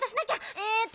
えっと。